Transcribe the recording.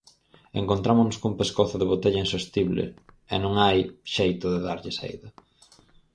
Encontrámonos cun pescozo de botella insostible e non hai xeito de darlle saída.